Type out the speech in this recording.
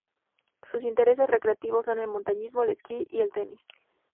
Sus intereses recreativos son el montañismo, el esquí y el tenis.